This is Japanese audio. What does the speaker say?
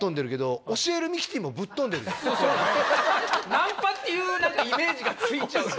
ナンパっていうイメージがついちゃうと。